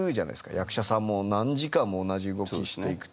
役者さんも何時間も同じ動きにしていくと。